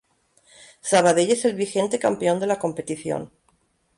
Sabadell es el vigente campeón de la competición.